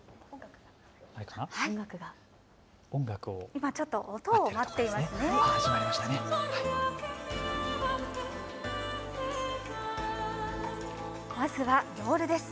今ちょっと音を待っています。